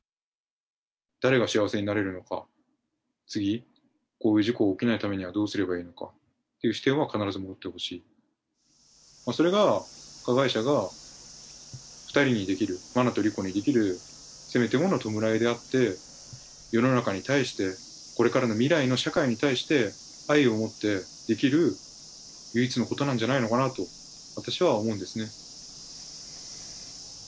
誰が幸せになれるのか、次、こういう事故が起きないためにはどうすればいいのかっていう視点は必ず持っているし、それが加害者が２人にできる、真菜と莉子にできるせめてもの弔いであって、世の中に対して、これからの未来の社会に対して、愛をもってできる唯一のことなんじゃないのかなと、私は思うんですね。